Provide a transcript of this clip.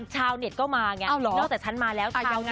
ชาวเน็ตก็มานอกจากฉันมาแล้วยัยยังไง